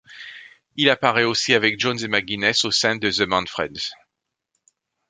Il apparaît aussi avec Jones et McGuinness au sein de The Manfreds.